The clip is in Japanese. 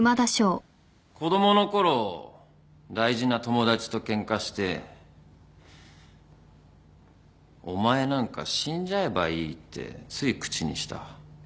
子供のころ大事な友達とケンカして「お前なんか死んじゃえばいい」ってつい口にした。